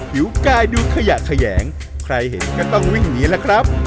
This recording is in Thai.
ผิวกายดูขยะแขยงใครเห็นก็ต้องวิ่งหนีล่ะครับ